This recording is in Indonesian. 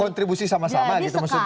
kontribusi sama sama gitu maksudnya